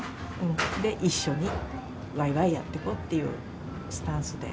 で、一緒に、わいわいやっていこうっていうスタンスで。